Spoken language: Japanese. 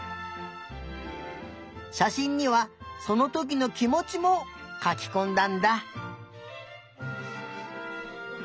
しゃしんにはそのときのきもちもかきこんだんだ。